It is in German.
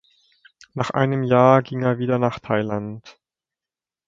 Nach einem Jahr ging er wieder nach Thailand.